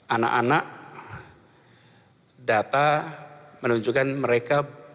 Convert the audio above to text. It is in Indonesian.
anak anak data menunjukkan mereka